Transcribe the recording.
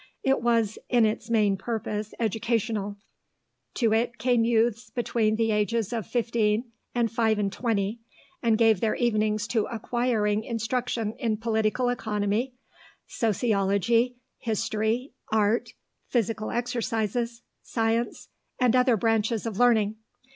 It was in its main purpose educational. To it came youths between the ages of fifteen and five and twenty, and gave their evenings to acquiring instruction in political economy, sociology, history, art, physical exercises, science, and other branches of learning.